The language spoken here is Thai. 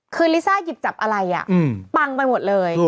คือลิซ่าหยิบจับอะไรปังไปหมดเลย